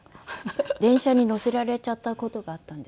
電車に乗せられちゃった事があったんですよ。